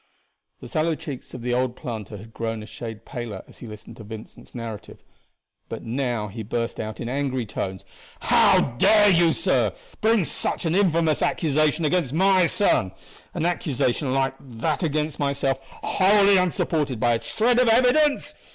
The sallow cheeks of the old planter had grown a shade paler as he listened to Vincent's narrative, but he now burst out in angry tones: "How dare you, sir, bring such an infamous accusation against my son an accusation, like that against myself, wholly unsupported by a shred of evidence?